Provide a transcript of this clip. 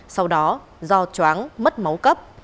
sau đó do chóng mất máu cấp